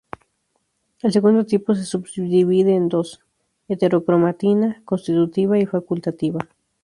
El segundo tipo se subdivide en dos: heterocromatina constitutiva y facultativa.